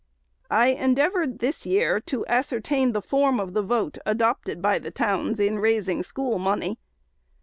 I endeavored this year to ascertain the form of the vote, adopted by the towns, in raising school money.